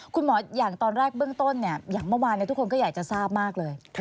คุณหมออย่างตอนแรกเบื้องต้นอย่างเมื่อวานทุกคนก็อยากจะทราบมากเลย